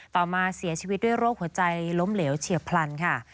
ต่อมาเสียชีวิตด้วยโรคหัวใจล้มเหลวเฉียบพลันค่ะ